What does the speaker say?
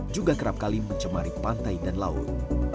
juga kerap kali mencemari pantai dan laut